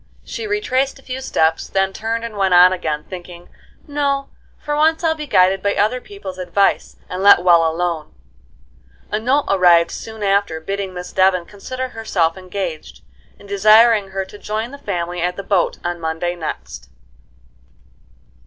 She retraced a few steps, then turned and went on again, thinking, "No; for once I'll be guided by other people's advice, and let well alone." A note arrived soon after, bidding Miss Devon consider herself engaged, and desiring her to join the family at the boat on Monday next.